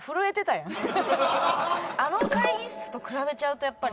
あの会議室と比べちゃうとやっぱり。